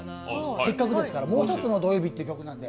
せっかくですから、「もうひとつの土曜日」という曲なんで。